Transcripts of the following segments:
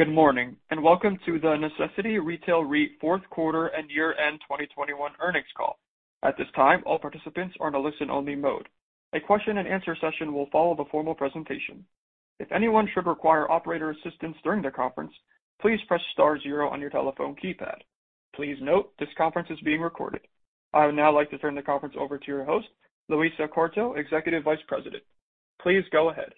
Good morning, and welcome to The Necessity Retail REIT fourth quarter and year-end 2021 earnings call. At this time, all participants are in a listen-only mode. A question and answer session will follow the formal presentation. If anyone should require operator assistance during the conference, please press star zero on your telephone keypad. Please note, this conference is being recorded. I would now like to turn the conference over to your host, Louisa Quarto, Executive Vice President. Please go ahead.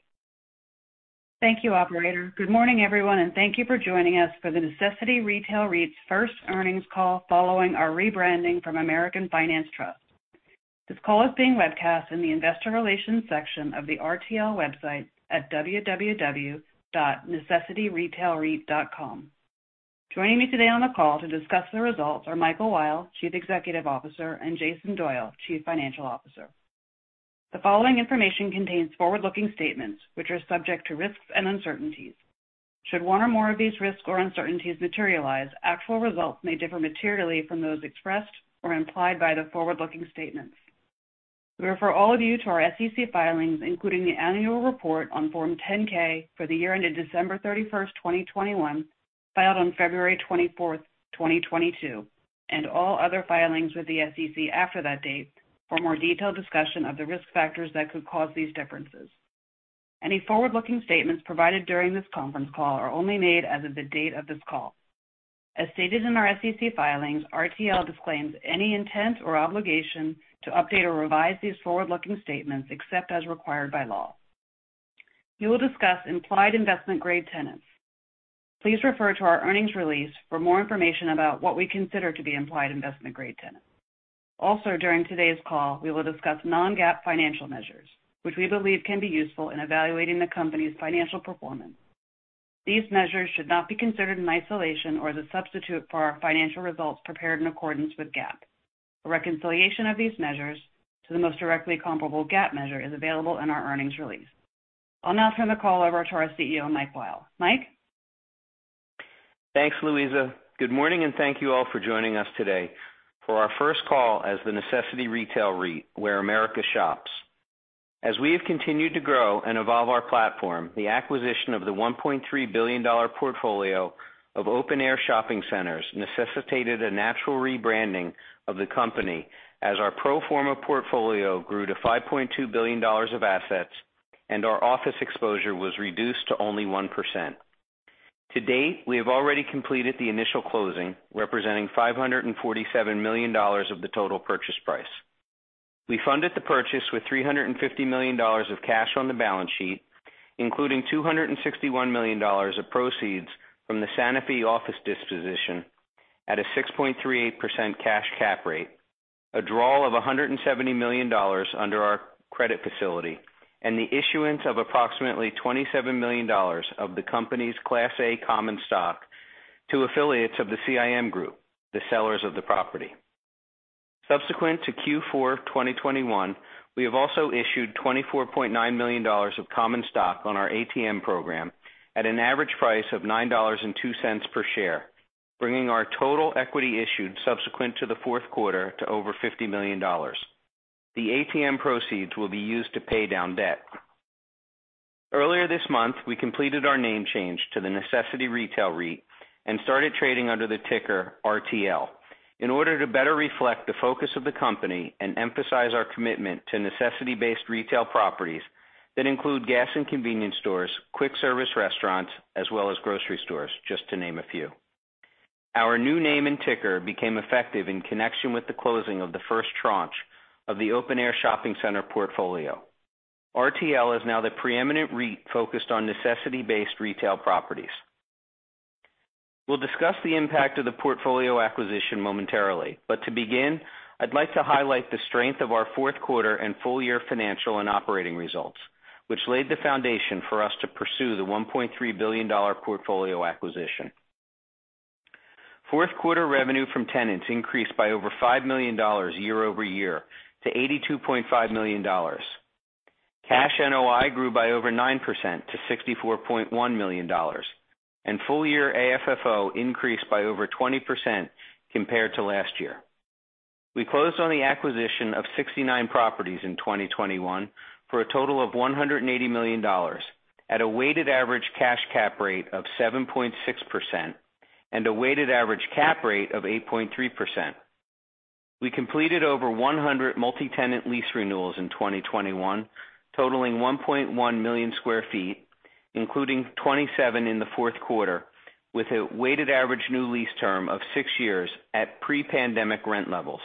Thank you, operator. Good morning, everyone, and thank you for joining us for the Necessity Retail REIT's first earnings call following our rebranding from American Finance Trust. This call is being webcast in the investor relations section of the RTL website at www.necessityretailreit.com. Joining me today on the call to discuss the results are Michael Weil, Chief Executive Officer, and Jason Doyle, Chief Financial Officer. The following information contains forward-looking statements, which are subject to risks and uncertainties. Should one or more of these risks or uncertainties materialize, actual results may differ materially from those expressed or implied by the forward-looking statements. We refer all of you to our SEC filings, including the annual report on Form 10-K for the year ended December 31, 2021, filed on February 24, 2022, and all other filings with the SEC after that date for more detailed discussion of the risk factors that could cause these differences. Any forward-looking statements provided during this conference call are only made as of the date of this call. As stated in our SEC filings, RTL disclaims any intent or obligation to update or revise these forward-looking statements except as required by law. We will discuss implied investment grade tenants. Please refer to our earnings release for more information about what we consider to be implied investment grade tenants. Also, during today's call, we will discuss non-GAAP financial measures, which we believe can be useful in evaluating the company's financial performance. These measures should not be considered in isolation or as a substitute for our financial results prepared in accordance with GAAP. A reconciliation of these measures to the most directly comparable GAAP measure is available in our earnings release. I'll now turn the call over to our CEO, Mike Weil. Mike? Thanks, Louisa. Good morning, and thank you all for joining us today for our first call as The Necessity Retail REIT, where America shops. As we have continued to grow and evolve our platform, the acquisition of the $1.3 billion portfolio of open-air shopping centers necessitated a natural rebranding of the company as our pro forma portfolio grew to $5.2 billion of assets and our office exposure was reduced to only 1%. To date, we have already completed the initial closing, representing $547 million of the total purchase price. We funded the purchase with $350 million of cash on the balance sheet, including $261 million of proceeds from the Santa Fe office disposition at a 6.38% cash cap rate, a draw of $170 million under our credit facility, and the issuance of approximately $27 million of the company's Class A common stock to affiliates of the CIM Group, the sellers of the property. Subsequent to Q4 of 2021, we have also issued $24.9 million of common stock on our ATM program at an average price of $9.02 per share, bringing our total equity issued subsequent to the fourth quarter to over $50 million. The ATM proceeds will be used to pay down debt. Earlier this month, we completed our name change to The Necessity Retail REIT and started trading under the ticker RTL in order to better reflect the focus of the company and emphasize our commitment to necessity-based retail properties that include gas and convenience stores, quick service restaurants, as well as grocery stores, just to name a few. Our new name and ticker became effective in connection with the closing of the first tranche of the open-air shopping center portfolio. RTL is now the preeminent REIT focused on necessity-based retail properties. We'll discuss the impact of the portfolio acquisition momentarily, but to begin, I'd like to highlight the strength of our fourth quarter and full year financial and operating results, which laid the foundation for us to pursue the $1.3 billion portfolio acquisition. Fourth quarter revenue from tenants increased by over $5 million year-over-year to $82.5 million. Cash NOI grew by over 9% to $64.1 million, and full-year AFFO increased by over 20% compared to last year. We closed on the acquisition of 69 properties in 2021 for a total of $180 million at a weighted average cash cap rate of 7.6% and a weighted average cap rate of 8.3%. We completed over 100 multi-tenant lease renewals in 2021, totaling 1.1 million sq ft, including 27 in the fourth quarter, with a weighted average new lease term of 6 years at pre-pandemic rent levels.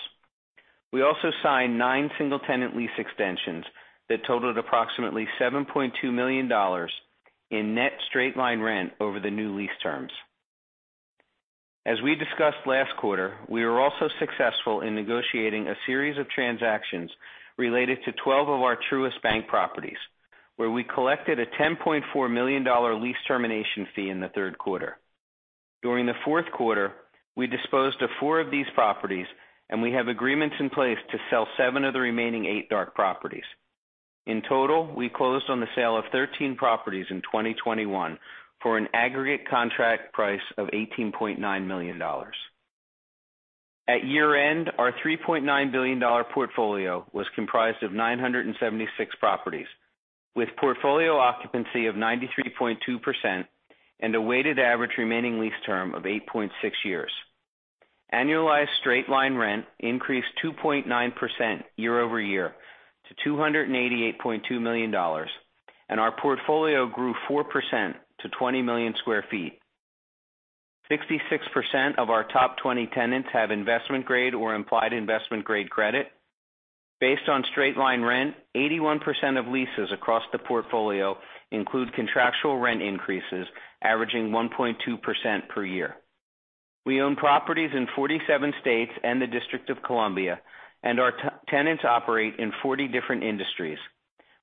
We also signed nine single-tenant lease extensions that totaled approximately $7.2 million in net straight-line rent over the new lease terms. As we discussed last quarter, we were also successful in negotiating a series of transactions related to 12 of our Truist Bank properties, where we collected a $10.4 million lease termination fee in the third quarter. During the fourth quarter, we disposed of four of these properties, and we have agreements in place to sell 7 of the remaining eight dark properties. In total, we closed on the sale of 13 properties in 2021 for an aggregate contract price of $18.9 million. At year-end, our $3.9 billion portfolio was comprised of 976 properties, with portfolio occupancy of 93.2% and a weighted average remaining lease term of 8.6 years. Annualized straight-line rent increased 2.9% year-over-year to $288.2 million, and our portfolio grew 4% to 20 million sq ft. 66% of our top 20 tenants have investment grade or implied investment grade credit. Based on straight-line rent, 81% of leases across the portfolio include contractual rent increases averaging 1.2% per year. We own properties in 47 states and the District of Columbia, and our tenants operate in 40 different industries,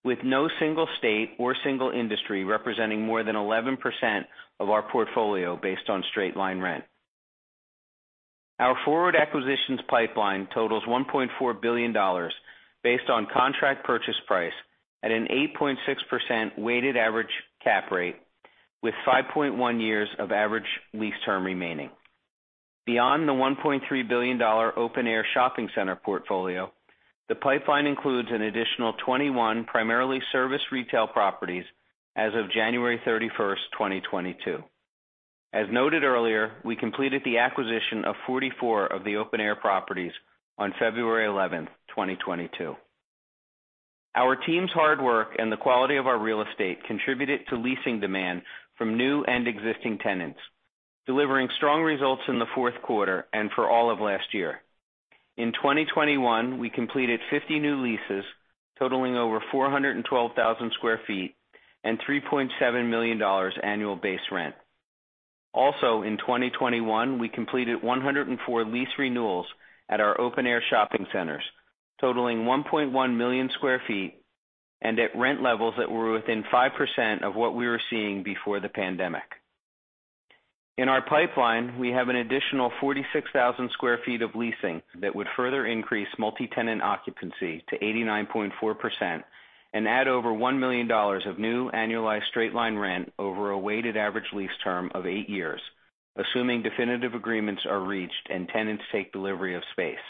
with no single state or single industry representing more than 11% of our portfolio based on straight-line rent. Our forward acquisitions pipeline totals $1.4 billion based on contract purchase price at an 8.6% weighted average cap rate, with 5.1 years of average lease term remaining. Beyond the $1.3 billion open-air shopping center portfolio, the pipeline includes an additional 21 primarily service retail properties as of January 31, 2022. As noted earlier, we completed the acquisition of 44 of the open-air properties on February 11, 2022. Our team's hard work and the quality of our real estate contributed to leasing demand from new and existing tenants, delivering strong results in the fourth quarter and for all of last year. In 2021, we completed 50 new leases totaling over 412,000 sq ft and $3.7 million annual base rent. Also in 2021, we completed 104 lease renewals at our open-air shopping centers, totaling 1.1 million sq ft and at rent levels that were within 5% of what we were seeing before the pandemic. In our pipeline, we have an additional 46,000 sq ft of leasing that would further increase multi-tenant occupancy to 89.4% and add over $1 million of new annualized straight-line rent over a weighted average lease term of eight years, assuming definitive agreements are reached and tenants take delivery of space.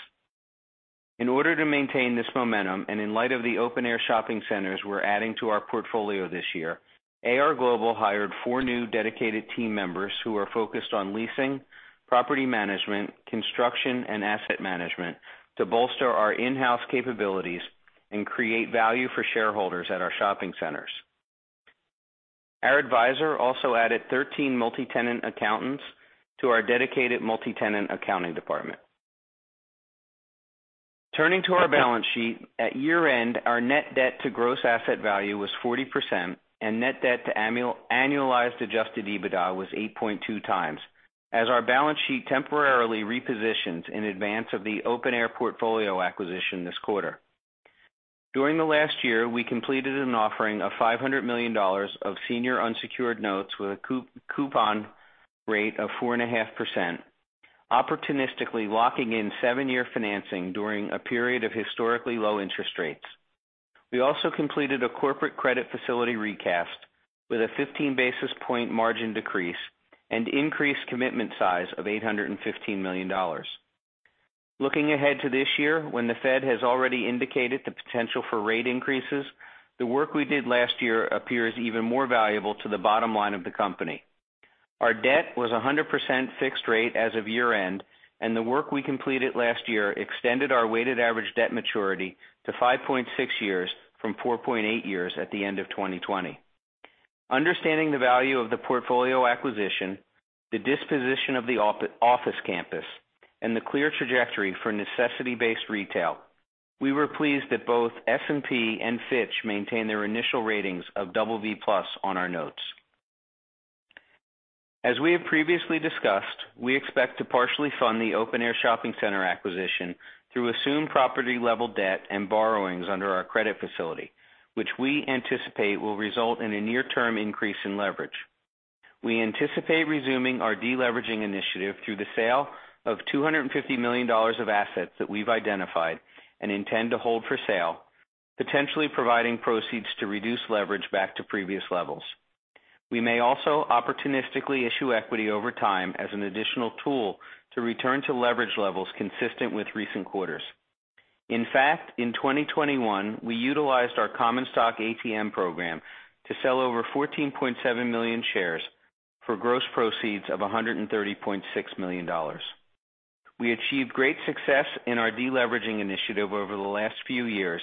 In order to maintain this momentum, and in light of the open-air shopping centers we're adding to our portfolio this year, AR Global hired four new dedicated team members who are focused on leasing, property management, construction, and asset management to bolster our in-house capabilities and create value for shareholders at our shopping centers. Our advisor also added 13 multi-tenant accountants to our dedicated multi-tenant accounting department. Turning to our balance sheet, at year-end, our net debt to gross asset value was 40%, and net debt to annualized adjusted EBITDA was 8.2x, as our balance sheet temporarily repositions in advance of the open-air portfolio acquisition this quarter. During the last year, we completed an offering of $500 million of senior unsecured notes with a coupon rate of 4.5%, opportunistically locking in seven-year financing during a period of historically low interest rates. We also completed a corporate credit facility recast with a 15 basis point margin decrease and increased commitment size of $815 million. Looking ahead to this year, when the Fed has already indicated the potential for rate increases, the work we did last year appears even more valuable to the bottom line of the company. Our debt was 100% fixed rate as of year-end, and the work we completed last year extended our weighted average debt maturity to 5.6 years from 4.8 years at the end of 2020. Understanding the value of the portfolio acquisition, the disposition of the office campus, and the clear trajectory for necessity-based retail, we were pleased that both S&P and Fitch maintained their initial ratings of BB+ on our notes. As we have previously discussed, we expect to partially fund the open-air shopping center acquisition through assumed property level debt and borrowings under our credit facility, which we anticipate will result in a near-term increase in leverage. We anticipate resuming our deleveraging initiative through the sale of $250 million of assets that we've identified and intend to hold for sale, potentially providing proceeds to reduce leverage back to previous levels. We may also opportunistically issue equity over time as an additional tool to return to leverage levels consistent with recent quarters. In fact, in 2021, we utilized our common stock ATM program to sell over 14.7 million shares for gross proceeds of $130.6 million. We achieved great success in our deleveraging initiative over the last few years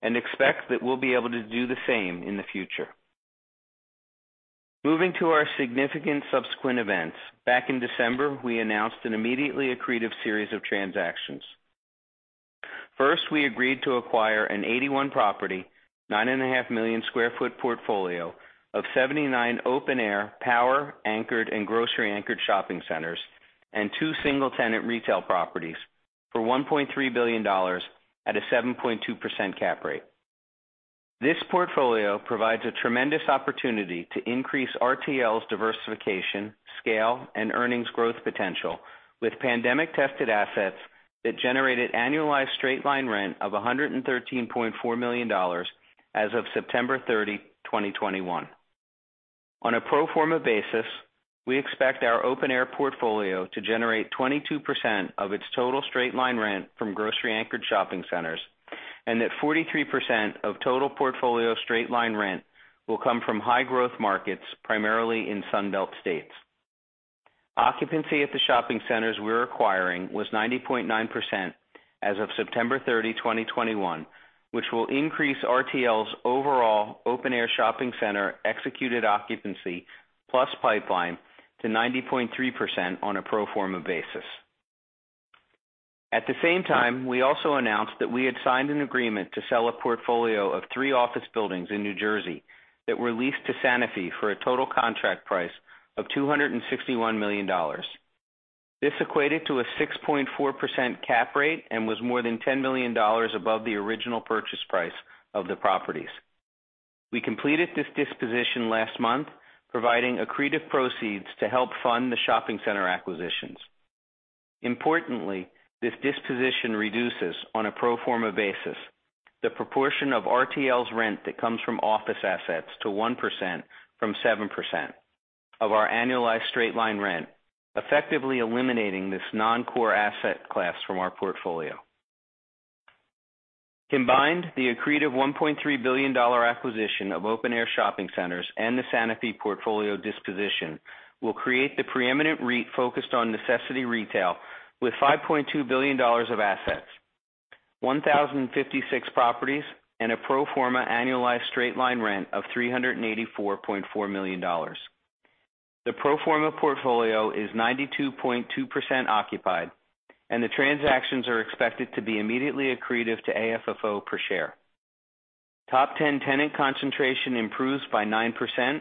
and expect that we'll be able to do the same in the future. Moving to our significant subsequent events. Back in December, we announced an immediately accretive series of transactions. First, we agreed to acquire an 81-property, 9.5 million sq ft portfolio of 79 open-air, power anchored, and grocery anchored shopping centers, and 2 single tenant retail properties for $1.3 billion at a 7.2% cap rate. This portfolio provides a tremendous opportunity to increase RTL's diversification, scale, and earnings growth potential with pandemic-tested assets that generated annualized straight-line rent of $113.4 million as of September 30, 2021. On a pro forma basis, we expect our open air portfolio to generate 22% of its total straight-line rent from grocery anchored shopping centers, and that 43% of total portfolio straight-line rent will come from high growth markets, primarily in Sun Belt states. Occupancy at the shopping centers we're acquiring was 90.9% as of September 30, 2021, which will increase RTL's overall open air shopping center executed occupancy, plus pipeline to 90.3% on a pro forma basis. At the same time, we also announced that we had signed an agreement to sell a portfolio of 3 office buildings in New Jersey that were leased to Sanofi for a total contract price of $261 million. This equated to a 6.4% cap rate and was more than $10 million above the original purchase price of the properties. We completed this disposition last month, providing accretive proceeds to help fund the shopping center acquisitions. Importantly, this disposition reduces on a pro forma basis, the proportion of RTL's rent that comes from office assets to 1% from 7% of our annualized straight-line rent, effectively eliminating this non-core asset class from our portfolio. Combined, the accretive $1.3 billion acquisition of open air shopping centers and the Sanofi portfolio disposition will create the preeminent REIT focused on necessity retail with $5.2 billion of assets, 1,056 properties, and a pro forma annualized straight-line rent of $384.4 million. The pro forma portfolio is 92.2% occupied, and the transactions are expected to be immediately accretive to AFFO per share. Top ten tenant concentration improves by 9%,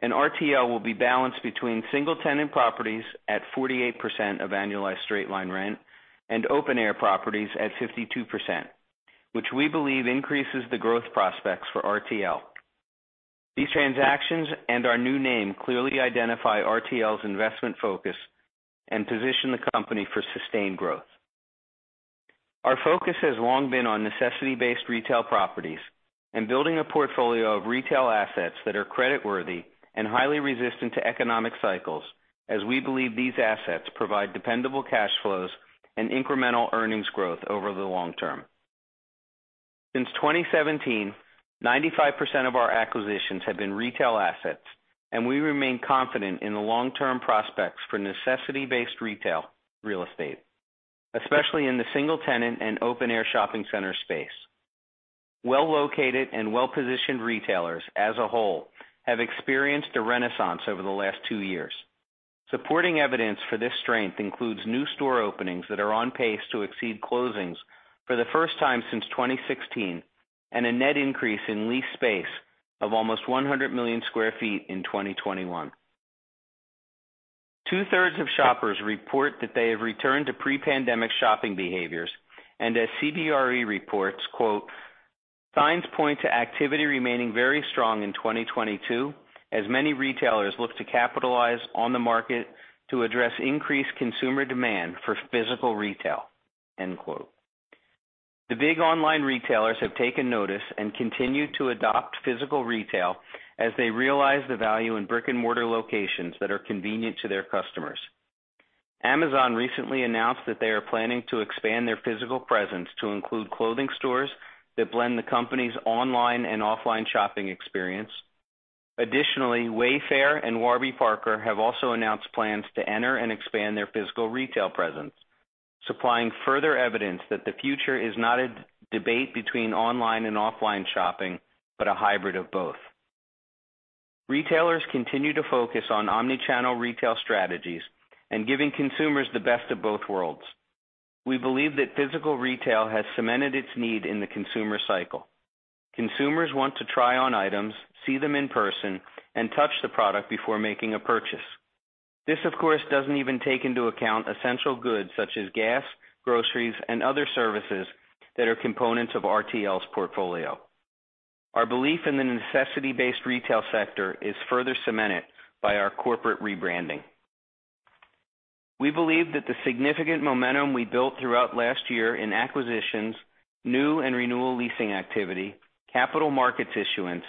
and RTL will be balanced between single-tenant properties at 48% of annualized straight-line rent and open air properties at 52%, which we believe increases the growth prospects for RTL. These transactions and our new name clearly identify RTL's investment focus and position the company for sustained growth. Our focus has long been on necessity-based retail properties and building a portfolio of retail assets that are creditworthy and highly resistant to economic cycles, as we believe these assets provide dependable cash flows and incremental earnings growth over the long term. Since 2017, 95% of our acquisitions have been retail assets, and we remain confident in the long-term prospects for necessity-based retail real estate, especially in the single tenant and open air shopping center space. Well-located and well-positioned retailers as a whole have experienced a renaissance over the last two years. Supporting evidence for this strength includes new store openings that are on pace to exceed closings for the first time since 2016, and a net increase in leased space of almost 100 million sq ft in 2021. Two-thirds of shoppers report that they have returned to pre-pandemic shopping behaviors, and as CBRE reports, quote, "Signs point to activity remaining very strong in 2022 as many retailers look to capitalize on the market to address increased consumer demand for physical retail." End quote. The big online retailers have taken notice and continue to adopt physical retail as they realize the value in brick-and-mortar locations that are convenient to their customers. Amazon recently announced that they are planning to expand their physical presence to include clothing stores that blend the company's online and offline shopping experience. Additionally, Wayfair and Warby Parker have also announced plans to enter and expand their physical retail presence, supplying further evidence that the future is not a debate between online and offline shopping, but a hybrid of both. Retailers continue to focus on omnichannel retail strategies and giving consumers the best of both worlds. We believe that physical retail has cemented its need in the consumer cycle. Consumers want to try on items, see them in person, and touch the product before making a purchase. This, of course, doesn't even take into account essential goods such as gas, groceries, and other services that are components of RTL's portfolio. Our belief in the necessity-based retail sector is further cemented by our corporate rebranding. We believe that the significant momentum we built throughout last year in acquisitions, new and renewal leasing activity, capital markets issuance,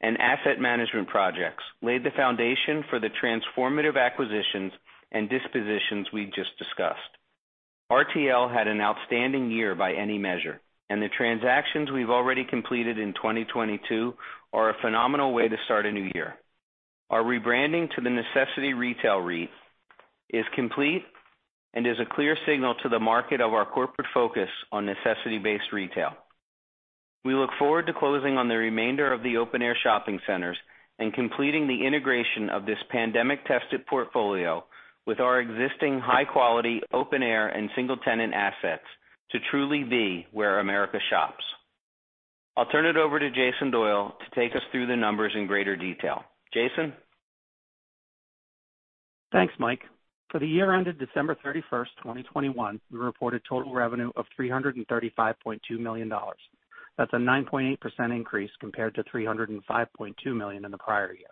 and asset management projects laid the foundation for the transformative acquisitions and dispositions we've just discussed. RTL had an outstanding year by any measure, and the transactions we've already completed in 2022 are a phenomenal way to start a new year. Our rebranding to The Necessity Retail REIT is complete and is a clear signal to the market of our corporate focus on necessity-based retail. We look forward to closing on the remainder of the open air shopping centers and completing the integration of this pandemic-tested portfolio with our existing high quality open air and single tenant assets to truly be where America shops. I'll turn it over to Jason Doyle to take us through the numbers in greater detail. Jason? Thanks, Mike. For the year ended December 31, 2021, we reported total revenue of $335.2 million. That's a 9.8% increase compared to $305.2 million in the prior year.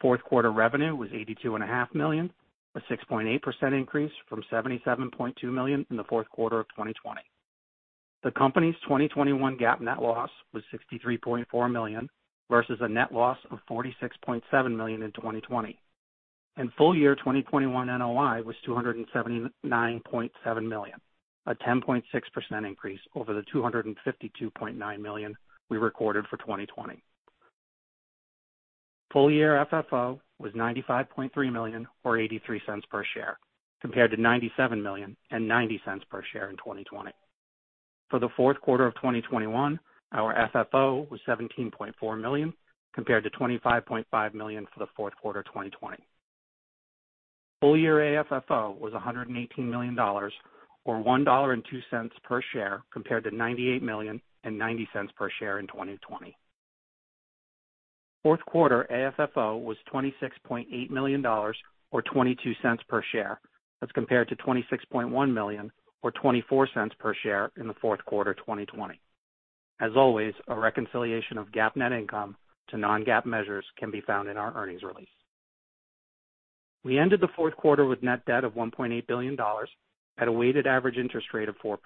Fourth quarter revenue was $82.5 million, a 6.8% increase from $77.2 million in the fourth quarter of 2020. The company's 2021 GAAP net loss was $63.4 million versus a net loss of $46.7 million in 2020. In full year 2021 NOI was $279.7 million, a 10.6% increase over the $252.9 million we recorded for 2020. Full year FFO was $95.3 million or $0.83 per share, compared to $97 million and $0.90 per share in 2020. For the fourth quarter of 2021, our FFO was $17.4 million compared to $25.5 million for the fourth quarter of 2020. Full year AFFO was $118 million or $1.02 per share compared to $98 million and $0.90 per share in 2020. Fourth quarter AFFO was $26.8 million or $0.22 per share as compared to $26.1 million or $0.24 per share in the fourth quarter of 2020. As always, a reconciliation of GAAP net income to non-GAAP measures can be found in our earnings release. We ended the fourth quarter with net debt of $1.8 billion at a weighted average interest rate of 4%.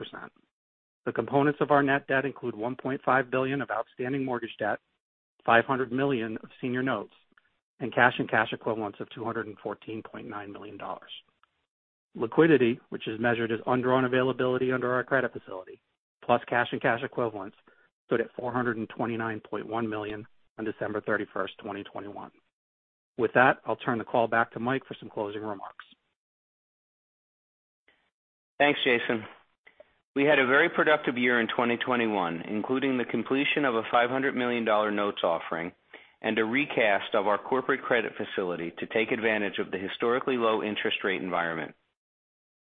The components of our net debt include $1.5 billion of outstanding mortgage debt, $500 million of senior notes, and cash and cash equivalents of $214.9 million. Liquidity, which is measured as undrawn availability under our credit facility, plus cash and cash equivalents, stood at $429.1 million on December 31, 2021. With that, I'll turn the call back to Mike for some closing remarks. Thanks, Jason. We had a very productive year in 2021, including the completion of a $500 million notes offering and a recast of our corporate credit facility to take advantage of the historically low interest rate environment.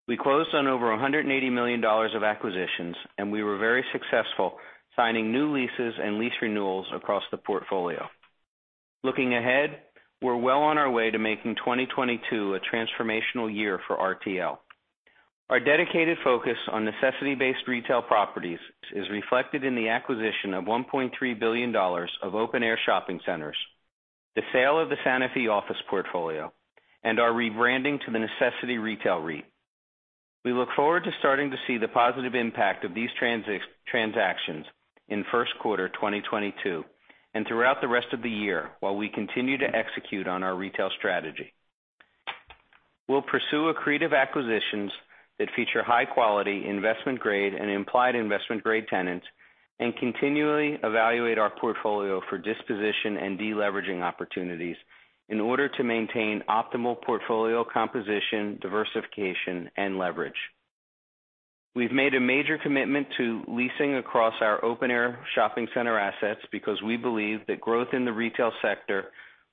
We closed on over $180 million of acquisitions, and we were very successful signing new leases and lease renewals across the portfolio. Looking ahead, we're well on our way to making 2022 a transformational year for RTL. Our dedicated focus on necessity-based retail properties is reflected in the acquisition of $1.3 billion of open-air shopping centers, the sale of the Sanofi office portfolio, and our rebranding to The Necessity Retail REIT. We look forward to starting to see the positive impact of these transactions in first quarter 2022 and throughout the rest of the year while we continue to execute on our retail strategy. We'll pursue accretive acquisitions that feature high quality investment grade and implied investment grade tenants, and continually evaluate our portfolio for disposition and de-leveraging opportunities in order to maintain optimal portfolio composition, diversification, and leverage. We've made a major commitment to leasing across our open-air shopping center assets because we believe that growth in the retail sector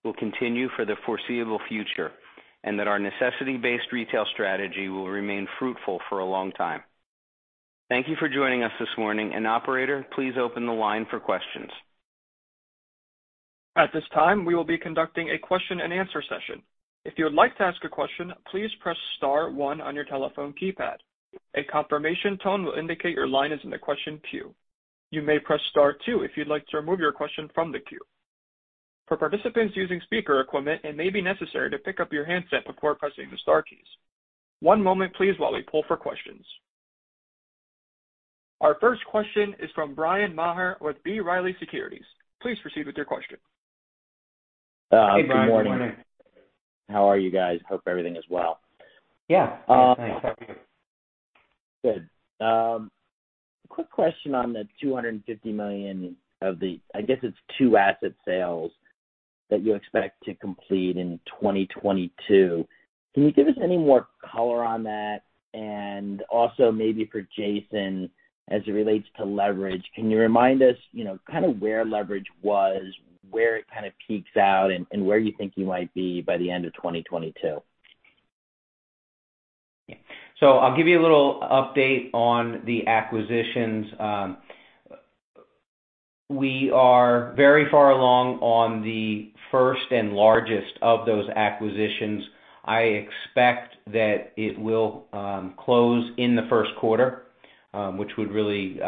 will continue for the foreseeable future, and that our necessity-based retail strategy will remain fruitful for a long time. Thank you for joining us this morning. Operator, please open the line for questions. At this time, we will be conducting a question and answer session. If you would like to ask a question, please press star one on your telephone keypad. A confirmation tone will indicate your line is in the question queue. You may press star two if you'd like to remove your question from the queue. For participants using speaker equipment, it may be necessary to pick up your handset before pressing the star keys. One moment please while we pull for questions. Our first question is from Bryan Maher with B. Riley Securities. Please proceed with your question. Hey, Bryan. Good morning. Good morning. How are you guys? Hope everything is well. Yeah. Um. Thanks. How are you? Good. Quick question on the $250 million I guess it's two asset sales that you expect to complete in 2022. Can you give us any more color on that? Also maybe for Jason, as it relates to leverage, can you remind us, you know, kind of where leverage was, where it kind of peaks out, and where you think you might be by the end of 2022? I'll give you a little update on the acquisitions. We are very far along on the first and largest of those acquisitions. I expect that it will close in the first quarter, which would really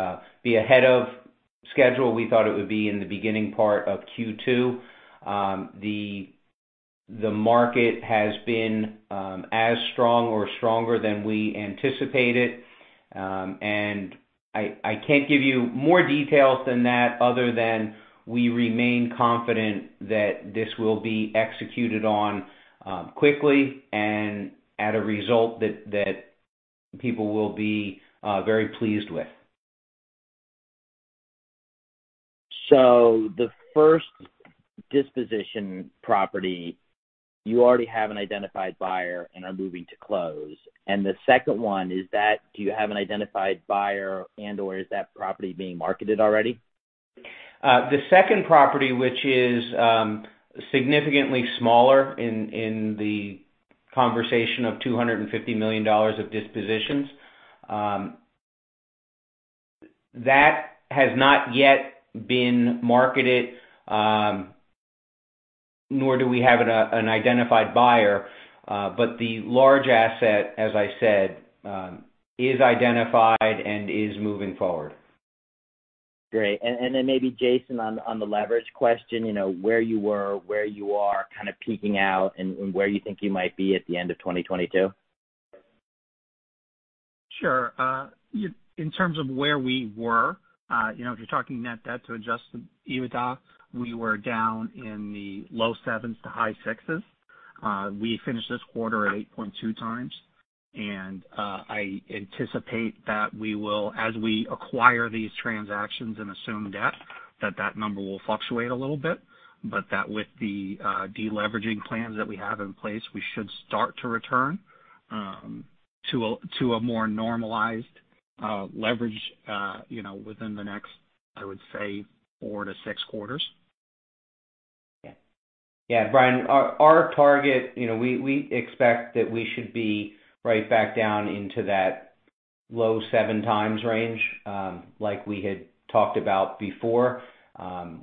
be ahead of schedule. We thought it would be in the beginning part of Q2. The market has been as strong or stronger than we anticipated. I can't give you more details than that other than we remain confident that this will be executed on quickly and at a result that people will be very pleased with. The first disposition property, you already have an identified buyer and are moving to close. The second one, do you have an identified buyer and/or is that property being marketed already? The second property, which is significantly smaller in the context of $250 million of dispositions, that has not yet been marketed, nor do we have an identified buyer. The large asset, as I said, is identified and is moving forward. Great. Maybe Jason on the leverage question, you know, where you are kind of peaking out and where you think you might be at the end of 2022. Sure. In terms of where we were, you know, if you're talking net debt to adjusted EBITDA, we were down in the low 7s-high 6s. We finished this quarter at 8.2 times, and I anticipate that we will, as we acquire these transactions and assume debt, that number will fluctuate a little bit, but that with the de-leveraging plans that we have in place, we should start to return to a more normalized leverage, you know, within the next, I would say, four to six quarters. Yeah. Yeah, Bryan, our target, you know, we expect that we should be right back down into that low 7x range, like we had talked about before.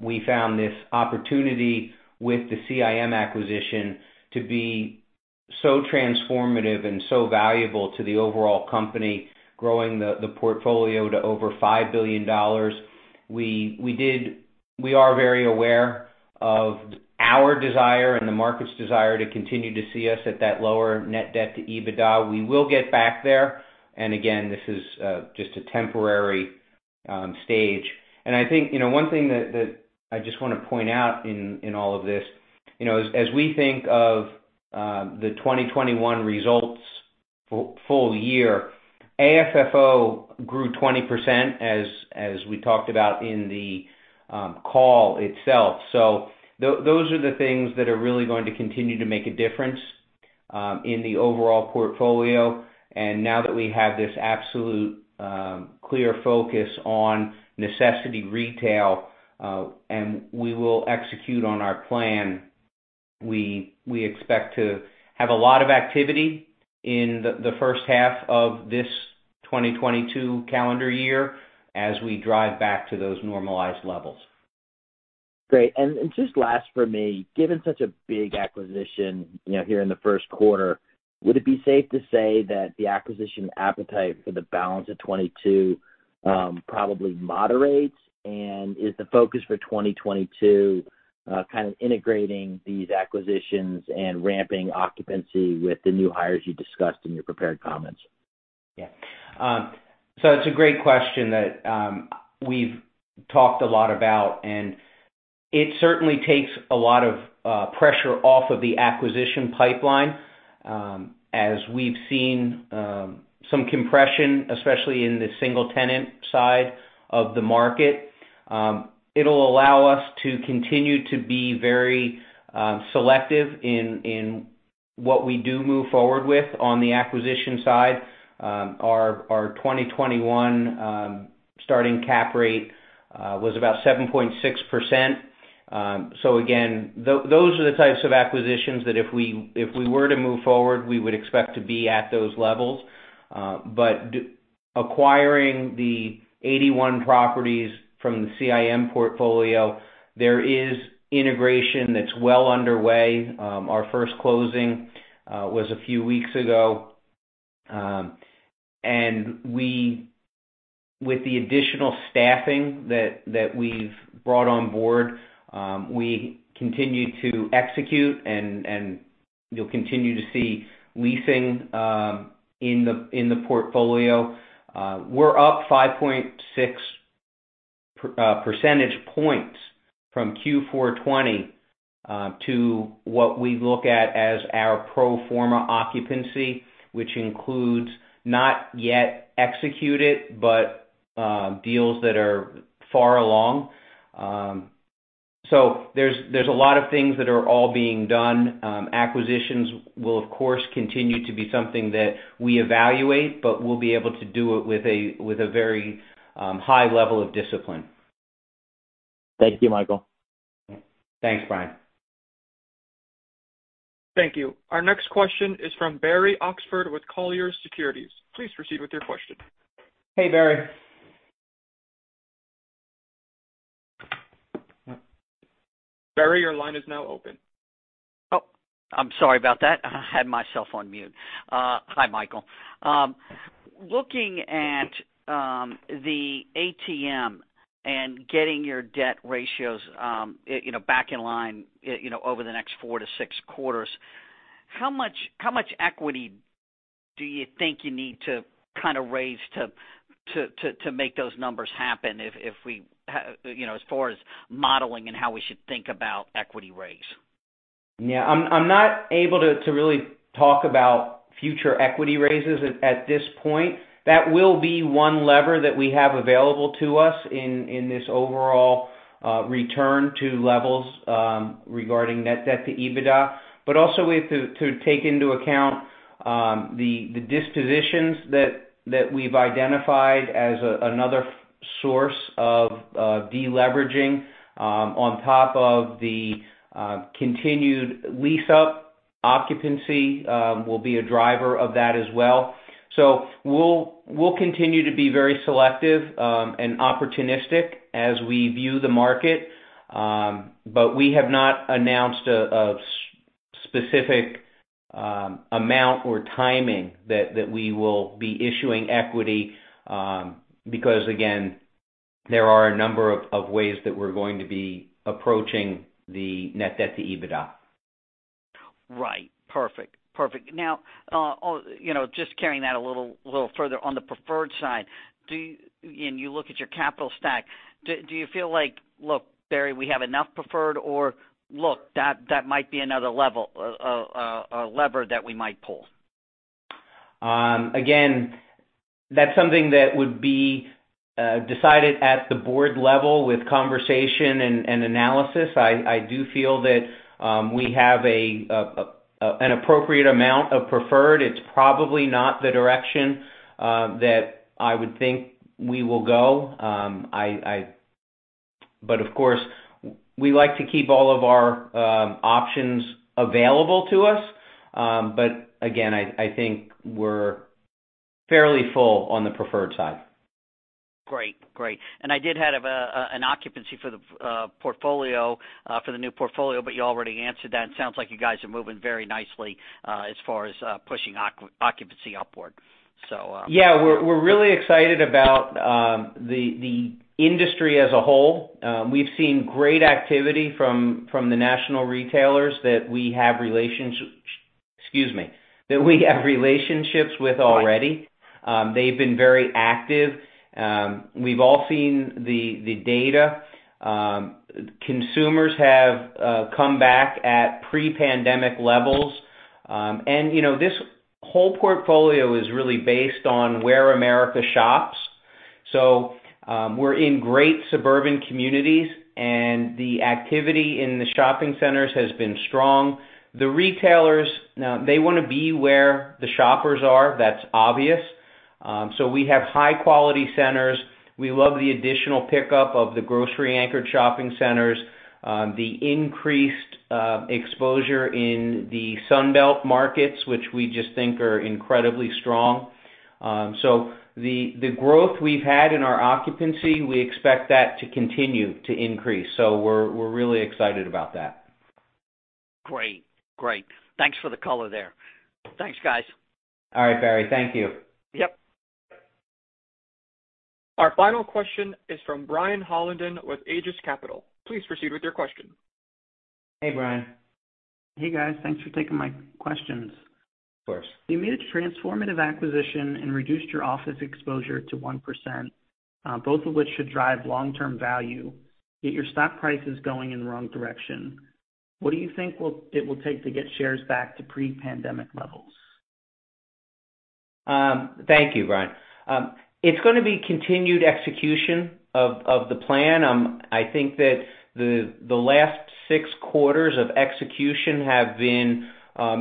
We found this opportunity with the CIM acquisition to be so transformative and so valuable to the overall company, growing the portfolio to over $5 billion. We are very aware of our desire and the market's desire to continue to see us at that lower net debt to EBITDA. We will get back there, and again, this is just a temporary stage. I think, you know, one thing that I just wanna point out in all of this, you know, as we think of the 2021 results full year, AFFO grew 20%, as we talked about in the call itself. Those are the things that are really going to continue to make a difference in the overall portfolio. Now that we have this absolutely clear focus on Necessity Retail, we will execute on our plan. We expect to have a lot of activity in the first half of this 2022 calendar year as we drive back to those normalized levels. Great. Just last for me, given such a big acquisition, you know, here in the first quarter, would it be safe to say that the acquisition appetite for the balance of 2022 probably moderates? Is the focus for 2022 kind of integrating these acquisitions and ramping occupancy with the new hires you discussed in your prepared comments? Yeah, it's a great question that we've talked a lot about, and it certainly takes a lot of pressure off of the acquisition pipeline, as we've seen some compression, especially in the single-tenant side of the market. It'll allow us to continue to be very selective in what we do move forward with on the acquisition side. Our 2021 starting cap rate was about 7.6%. Again, those are the types of acquisitions that if we were to move forward, we would expect to be at those levels. But acquiring the 81 properties from the CIM portfolio, there is integration that's well underway. Our first closing was a few weeks ago. With the additional staffing that we've brought on board, we continue to execute and you'll continue to see leasing in the portfolio. We're up 5.6 percentage points from Q4 2020 to what we look at as our pro forma occupancy, which includes not yet executed, but deals that are far along. There's a lot of things that are all being done. Acquisitions will, of course, continue to be something that we evaluate, but we'll be able to do it with a very high level of discipline. Thank you, Michael. Thanks, Bryan. Thank you. Our next question is from Barry Oxford with Colliers Securities. Please proceed with your question. Hey, Barry. Barry, your line is now open. Oh, I'm sorry about that. I had myself on mute. Hi, Michael. Looking at the ATM and getting your debt ratios, you know, back in line, you know, over the next four to six quarters, how much equity do you think you need to kind of raise to make those numbers happen, you know, as far as modeling and how we should think about equity raise? Yeah. I'm not able to really talk about future equity raises at this point. That will be one lever that we have available to us in this overall return to levels regarding net debt to EBITDA. Also we have to take into account the dispositions that we've identified as another source of de-leveraging on top of the continued lease-up occupancy, will be a driver of that as well. We'll continue to be very selective and opportunistic as we view the market, but we have not announced a specific amount or timing that we will be issuing equity, because again, there are a number of ways that we're going to be approaching the net debt to EBITDA. Right. Perfect. Perfect. Now, you know, just carrying that a little further on the preferred side. When you look at your capital stack, do you feel like, "Look, Barry, we have enough preferred," or, "Look, that might be another lever that we might pull? Again, that's something that would be decided at the board level with conversation and analysis. I do feel that we have an appropriate amount of preferred. It's probably not the direction that I would think we will go. Of course, we like to keep all of our options available to us. Again, I think we're fairly full on the preferred side. Great. I did have an occupancy for the portfolio for the new portfolio, but you already answered that. It sounds like you guys are moving very nicely as far as pushing occupancy upward. Yeah. We're really excited about the industry as a whole. We've seen great activity from the national retailers that we have relationships with already. They've been very active. We've all seen the data. Consumers have come back at pre-pandemic levels. You know, this whole portfolio is really based on where America shops. We're in great suburban communities, and the activity in the shopping centers has been strong. The retailers now wanna be where the shoppers are. That's obvious. We have high-quality centers. We love the additional pickup of the grocery-anchored shopping centers, the increased exposure in the Sun Belt markets, which we just think are incredibly strong. The growth we've had in our occupancy, we expect that to continue to increase. We're really excited about that. Great. Thanks for the color there. Thanks, guys. All right, Barry. Thank you. Yep. Our final question is from Brian Hollenden with Aegis Capital. Please proceed with your question. Hey, Brian. Hey, guys. Thanks for taking my questions. Of course. You made a transformative acquisition and reduced your office exposure to 1%, both of which should drive long-term value, yet your stock price is going in the wrong direction. What do you think it will take to get shares back to pre-pandemic levels? Thank you, Brian. It's gonna be continued execution of the plan. I think that the last six quarters of execution have been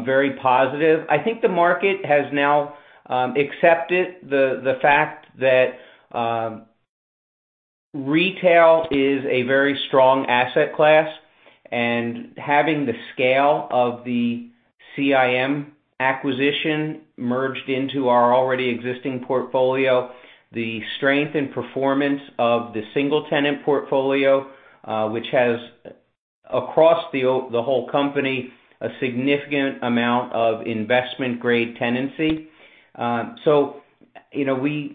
very positive. I think the market has now accepted the fact that retail is a very strong asset class, and having the scale of the CIM acquisition merged into our already existing portfolio, the strength and performance of the single tenant portfolio, which has across the whole company, a significant amount of investment-grade tenancy. You know,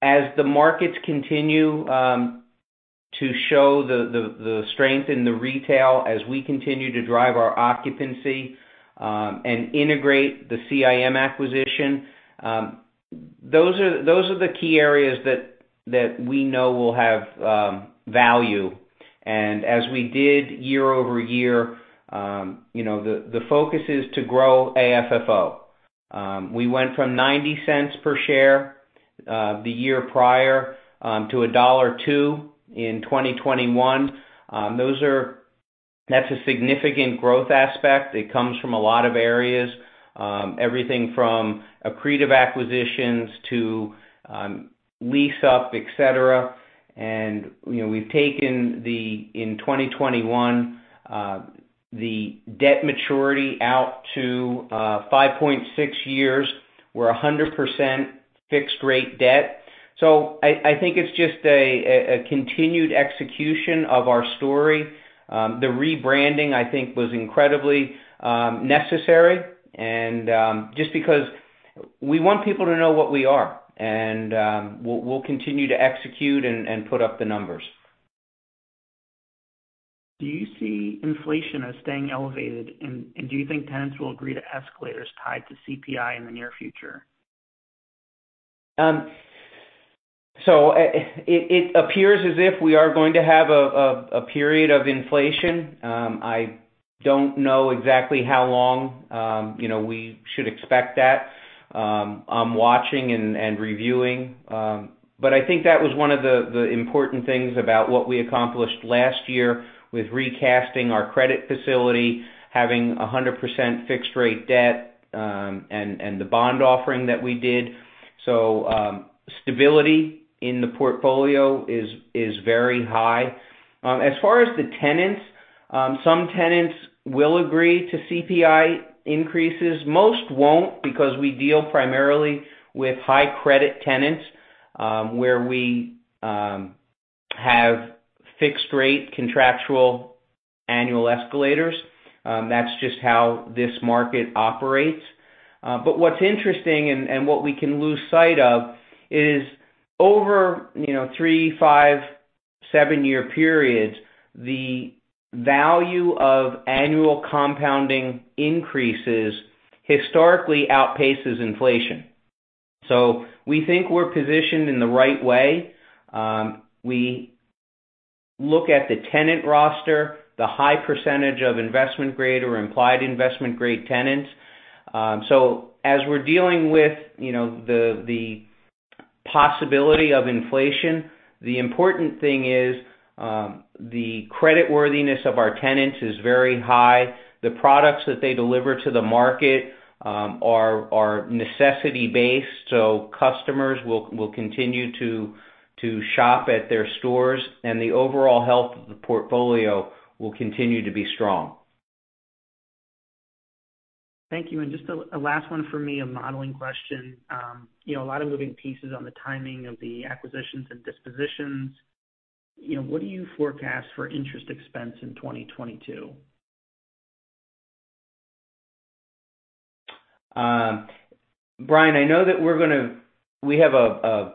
as the markets continue to show the strength in the retail, as we continue to drive our occupancy and integrate the CIM acquisition, those are the key areas that we know will have value. As we did year-over-year, you know, the focus is to grow AFFO. We went from $0.90 per share the year prior to $1.02 in 2021. That's a significant growth aspect. It comes from a lot of areas, everything from accretive acquisitions to lease up, et cetera. You know, we've taken the debt maturity out to 5.6 years in 2021. We're 100% fixed rate debt. So I think it's just a continued execution of our story. The rebranding, I think was incredibly necessary. Just because we want people to know what we are. We'll continue to execute and put up the numbers. Do you see inflation as staying elevated, and do you think tenants will agree to escalators tied to CPI in the near future? It appears as if we are going to have a period of inflation. I don't know exactly how long you know we should expect that. I'm watching and reviewing. I think that was one of the important things about what we accomplished last year with recasting our credit facility, having 100% fixed rate debt, and the bond offering that we did. Stability in the portfolio is very high. As far as the tenants, some tenants will agree to CPI increases. Most won't because we deal primarily with high credit tenants, where we have fixed rate contractual annual escalators. That's just how this market operates. what's interesting and what we can lose sight of is over three, five, seven-year periods, the value of annual compounding increases historically outpaces inflation. We think we're positioned in the right way. We look at the tenant roster, the high percentage of investment grade or implied investment grade tenants. As we're dealing with the possibility of inflation, the important thing is the creditworthiness of our tenants is very high. The products that they deliver to the market are necessity-based, so customers will continue to shop at their stores, and the overall health of the portfolio will continue to be strong. Thank you. Just a last one for me, a modeling question. You know, a lot of moving pieces on the timing of the acquisitions and dispositions. You know, what do you forecast for interest expense in 2022? We have a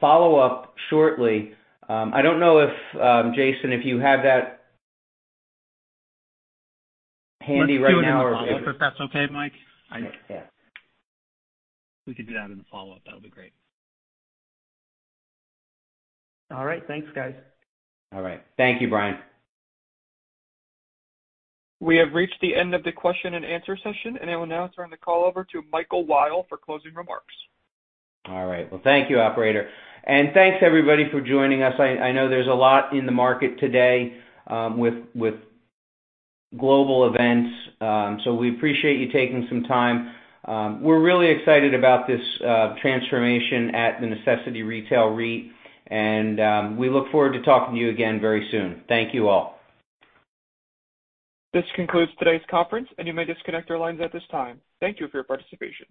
follow-up shortly. I don't know if, Jason, if you have that handy right now or if- Let's do it in the follow-up, if that's okay, Mike. Yeah. We could do that in the follow-up. That would be great. All right. Thanks, guys. All right. Thank you, Brian. We have reached the end of the question and answer session. I will now turn the call over to Michael Weil for closing remarks. All right. Well, thank you, operator. Thanks everybody for joining us. I know there's a lot in the market today, with global events. We appreciate you taking some time. We're really excited about this transformation at the Necessity Retail REIT, and we look forward to talking to you again very soon. Thank you all. This concludes today's conference, and you may disconnect your lines at this time. Thank you for your participation.